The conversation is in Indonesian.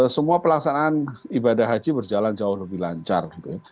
semua pelaksanaan ibadah haji berjalan jauh lebih lancar